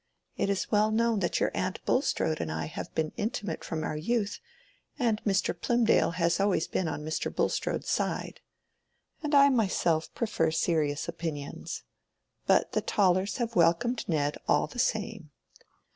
It is well known that your aunt Bulstrode and I have been intimate from our youth, and Mr. Plymdale has been always on Mr. Bulstrode's side. And I myself prefer serious opinions. But the Tollers have welcomed Ned all the same."